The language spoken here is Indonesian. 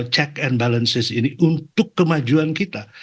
check and balances ini untuk kemajuan kita